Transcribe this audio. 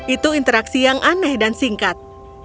itu interaksi yang aneh dan singkat